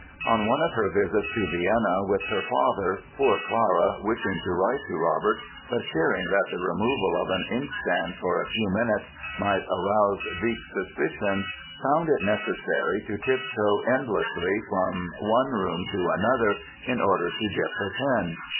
On one of her visits to Vienna with her father poor Clara, wishing to write to Robert but fearing that the removal of an inkstand for a few minutes might arouse Wieck's suspicions, found it necessary to tiptoe endlessly from one room to another in order to dip her pen.